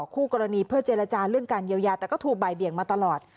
คู่กรณีเพื่อเจรจาเรื่องการเยียวยาแต่ก็ถูกบ่ายเบี่ยงมาตลอด